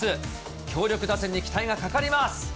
強力打線に期待がかかります。